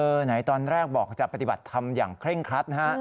ไหนตอนแรกบอกจะปฏิบัติธรรมอย่างเคร่งครัดนะฮะ